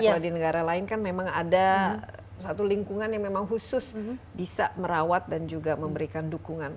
kalau di negara lain kan memang ada satu lingkungan yang memang khusus bisa merawat dan juga memberikan dukungan